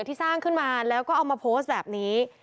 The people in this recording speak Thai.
ที่สร้างขึ้นมาแล้วก็เอามาโพสต์แบบนี้